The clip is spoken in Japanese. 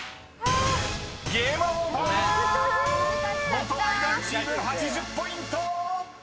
［元アイドルチーム８０ポイント！］